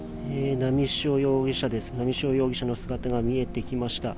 波汐容疑者の姿が見えてきました。